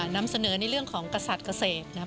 นำเสนอในเรื่องของกษัตริย์เกษตรนะครับ